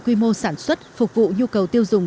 quy mô sản xuất phục vụ nhu cầu tiêu dùng